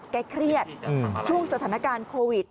เครียดช่วงสถานการณ์โควิด